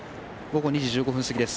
午後２時１５分過ぎです。